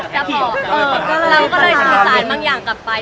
จะบอกเราก็เลยสื่อสารบางอย่างกลับไป